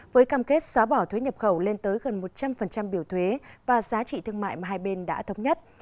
với cam kết xóa bỏ thuế nhập khẩu lên tới gần một trăm linh biểu thuế và giá trị thương mại mà hai bên đã thống nhất